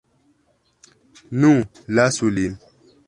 Nu, lasu lin.